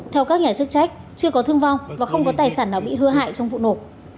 theo các nhà chức trách chưa có thương vong và không có tài sản nào bị hư hại trong vụ nổ